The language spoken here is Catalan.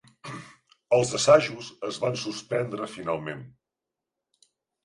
Els assajos es van suspendre finalment.